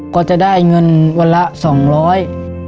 ก็จะได้เงินวันละสองร้อย